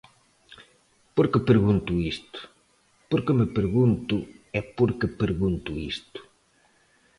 ¿Por que pregunto isto, por que me pregunto e por que pregunto isto?